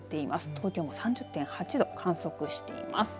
東京も３０．８度観測しています。